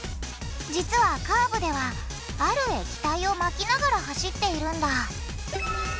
実はカーブではある液体をまきながら走っているんだ。